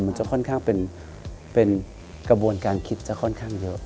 มันจะค่อนข้างเป็นกระบวนการคิดจะค่อนข้างเยอะ